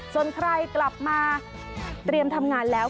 ส่วนใครกลับมาเตรียมทำงานแล้ว